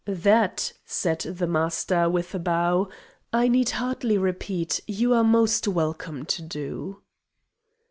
"That," said the Master, with a bow, "I need hardly repeat, you are most welcome to do."